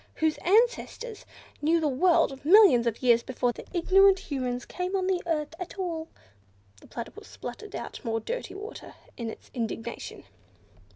whose ancestors knew the world millions of years before the ignorant Humans came on the earth at all!" The Platypus spluttered out more dirty water, in its indignation.